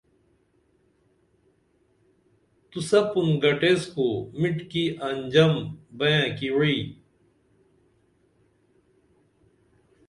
تو سپُن گٹیس خو مِٹِکی انجام بئنہ کی وعی